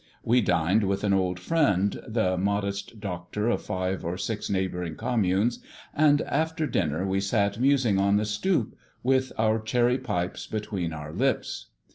We dined with an old friend, the modest doctor of five or six neighboring communes; and after dinner we sat musing on the stoop, with our cherry pipes between our lips.